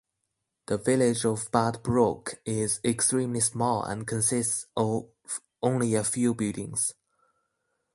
The village of Budbrooke is extremely small and consists of only a few buildings.